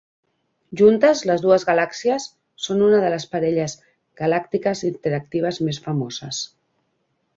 Juntes, les dues galàxies són una de les parelles galàctiques interactives més famoses.